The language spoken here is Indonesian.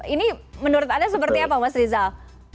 ini menurut anda seperti apa mas rizal